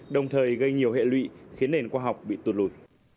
đồng thời gây nhiều hệ lụy khiến nền khoa học bị tụt lùi